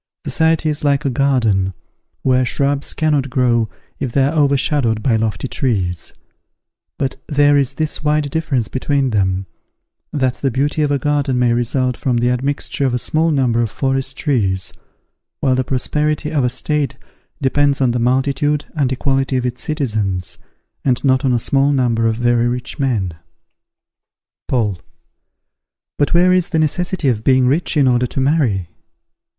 Society is like a garden, where shrubs cannot grow if they are overshadowed by lofty trees; but there is this wide difference between them, that the beauty of a garden may result from the admixture of a small number of forest trees, while the prosperity of a state depends on the multitude and equality of its citizens, and not on a small number of very rich men. Paul. But where is the necessity of being rich in order to marry?